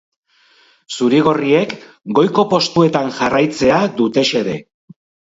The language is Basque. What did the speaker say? Zuri-gorriek goiko postuetan jarraitzea dute xede.